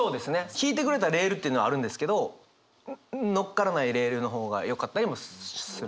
ひいてくれたレールっていうのはあるんですけど乗っからないレールの方がよかったりもするんですよね。